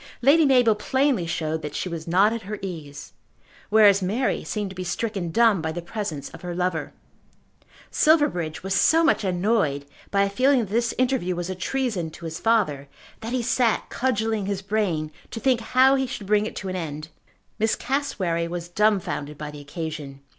Lady Mabel plainly showed that she was not at her ease; whereas Mary seemed to be stricken dumb by the presence of her lover. Silverbridge was so much annoyed by a feeling that this interview was a treason to his father, that he sat cudgelling his brain to think how he should bring it to an end. Miss Cassewary was dumbfounded by the occasion.